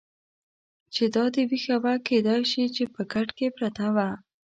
چې دا دې وېښه وه، کېدای شوه چې په کټ کې پرته وه.